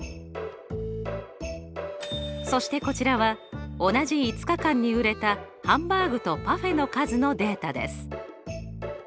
そしてこちらは同じ５日間に売れたハンバーグとパフェの数のデータです。